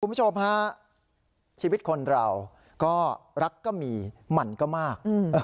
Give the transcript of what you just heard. คุณผู้ชมฮะชีวิตคนเราก็รักก็มีมันก็มาก